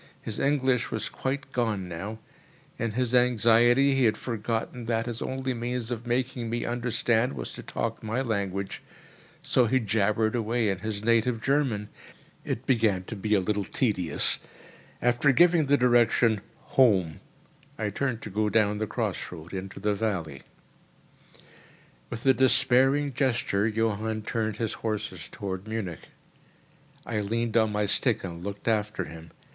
His English was quite gone now. In his anxiety he had forgotten that his only means of making me understand was to talk my language, so he jabbered away in his native German. It began to be a little tedious. After giving the direction, "Home!" I turned to go down the cross road into the valley. With a despairing gesture, Johann turned his horses towards Munich. I leaned on my stick and looked after him.